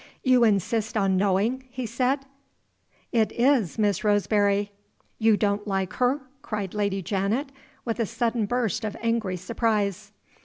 "You insist on knowing?" he said. "It is Miss Roseberry." "You don't like her?" cried Lady Janet, with a sudden burst of angry surprise.